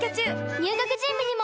入学準備にも！